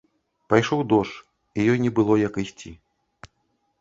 Пайшоў дождж, і ёй не было як ісці.